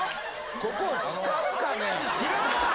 ここを使うかね！？